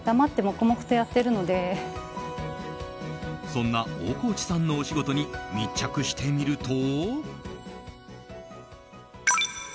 そんな大河内さんのお仕事に密着してみると。